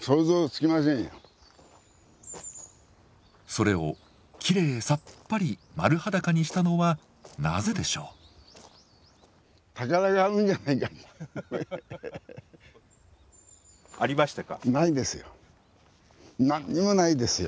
それをきれいさっぱり丸裸にしたのはなぜでしょう？ありましたか？